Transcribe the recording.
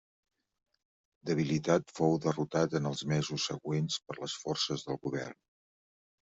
Debilitat fou derrotat en els mesos següents per les forces del govern.